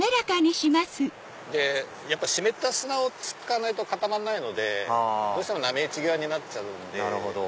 やっぱ湿った砂を使わないと固まらないのでどうしても波打ち際になっちゃうんで。